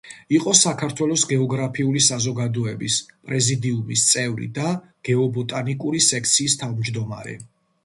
იყო საქართველოს გეოგრაფიული საზოგადოების პრეზიდიუმის წევრი და გეობოტანიკური სექციის თავმჯდომარე.